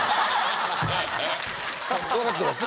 分かってます